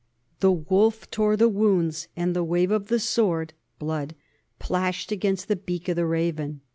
The wolf tore the wounds, and the wave of the sword [blood] plashed against the beak of the raven.